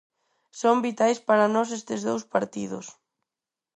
Son vitais para nós estes dous partidos.